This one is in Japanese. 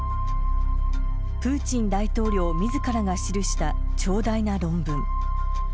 プーチン大統領みずからが記した長大な論文。